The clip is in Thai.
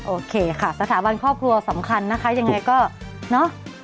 โอเคค่ะสถาบันครอบครัวสำคัญนะคะยังไงก็เนอะ